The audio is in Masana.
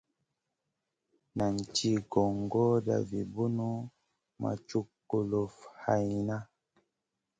Nan sli gogoda vi bunu ma cuk kulufn hayna.